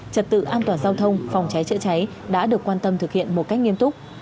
trật tự an toàn giao thông phòng cháy chữa cháy đã được quan tâm thực hiện một cách nghiêm túc